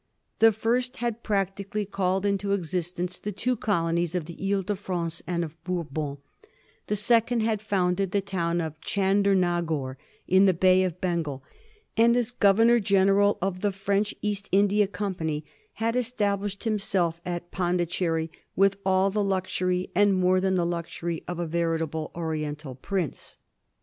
The first had practically called into existence the two colonies of the lie de France and of Bourbon ; the second had founded the town of Chander nagor, in the bay of Bengal, and, as governor general of the French East India Company, had established himself at Pondicherry with all the luxury and more than all the luxury of a veritable Oriental prince.